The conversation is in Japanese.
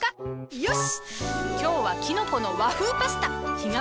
よし。